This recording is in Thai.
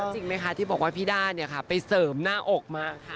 จริงไหมคะที่บอกว่าพี่ด้าเนี่ยค่ะไปเสริมหน้าอกมาค่ะ